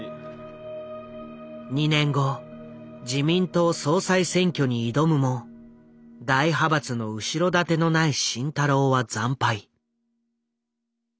２年後自民党総裁選挙に挑むも大派閥の後ろ盾のない慎太郎は惨敗。